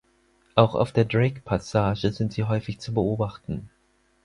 Auch auf der Drake-Passage sind sie häufig zu beobachten.